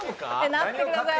なってください。